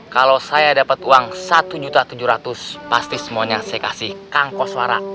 kalau saya dapat uang satu tujuh ratus pasti semuanya saya kasih kangkos suara